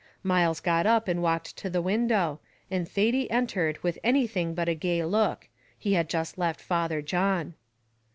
Myles got up and walked to the window, and Thady entered with anything but a gay look; he had just left Father John.